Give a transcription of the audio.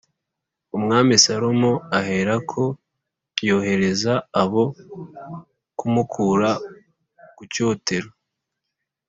Umwami Salomo aherako yohereza abo kumukura ku cyotero.